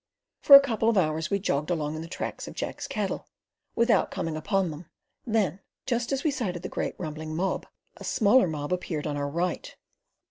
For a couple of hours we jogged along in the tracks of Jack's cattle, without coming up with them, then, just as we sighted the great rumbling mob, a smaller mob appeared on our right.